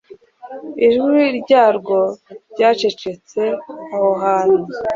Ijwi ryarwo ryacecetse aho hantu